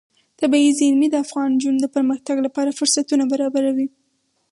طبیعي زیرمې د افغان نجونو د پرمختګ لپاره فرصتونه برابروي.